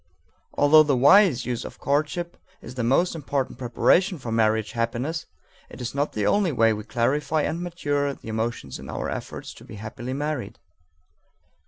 Although the wise use of courtship is the most important preparation for marriage happiness, it is not the only way we clarify and mature the emotions in our efforts to be happily married.